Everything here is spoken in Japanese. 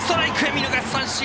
見逃し三振。